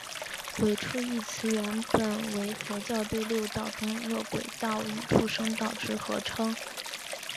鬼畜一词原本为佛教对六道中饿鬼道与畜生道之合称。